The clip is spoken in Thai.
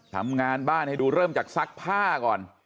ทำงานบ้านให้ดูเริ่มจากซักผ้าก่อน